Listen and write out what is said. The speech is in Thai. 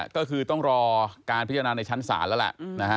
ก็คือต้องรอการพิจารณาในชั้นศาลแล้วแหละ